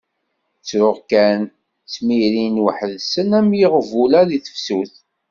Ttruɣ kan, ttmirin weḥd-sen am yiɣbula di tefsut.